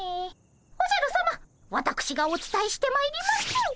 おじゃるさまわたくしがおつたえしてまいります。